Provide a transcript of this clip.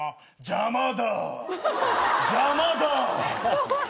邪魔だ！